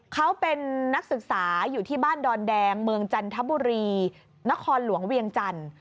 เขาเป็นนักศึกษาอยู่ที่บ้านดอนแดงเมืองจันทบุรีนครหลวงเวียงจันทร์